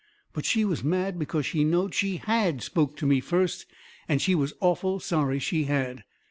But she was mad because she knowed she HAD spoke to me first, and she was awful sorry she had.